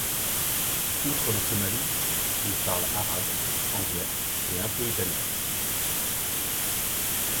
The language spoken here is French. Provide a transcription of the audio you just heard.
Outre le somali, il parle arabe, anglais, et un peu italien.